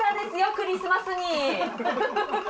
クリスマスに。